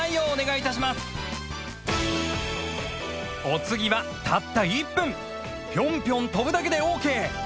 お次はたった１分ぴょんぴょん跳ぶだけでオーケー！